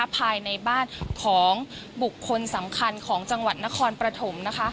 ภายในบ้านของบุคคลสำคัญของจังหวัดนครปฐม